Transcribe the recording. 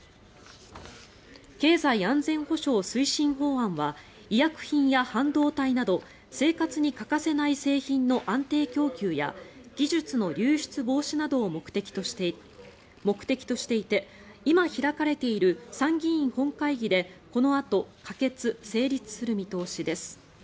経済安全保障推進法案は医薬品や半導体など生活に欠かせない製品の安定供給や技術の流出防止などを目的としていて今、開かれている参議院本会議でこのあと可決・成立する見通しです。